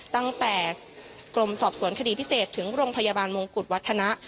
ตั้งแต่กรมสอบสวนคดีพิเศษถึงโรงพยาบาลมงกุฎวัฒนะ